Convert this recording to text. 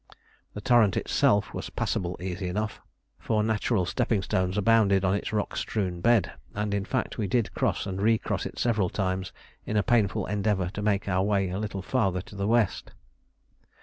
The torrent itself was passable easily enough, for natural stepping stones abounded in its rock strewn bed; and in fact we did cross and re cross it several times in a painful endeavour to make our way a little farther to the west.